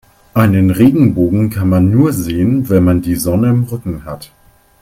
Einen Regenbogen kann man nur sehen, wenn man die Sonne im Rücken hat.